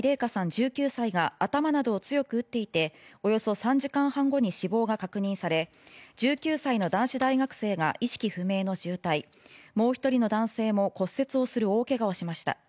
１９歳が頭などを強く打っていて、およそ３時間半後に死亡が確認され、１９歳の男子大学生が意識不明の重体、もう１人の男性も骨折をする大けがをしました。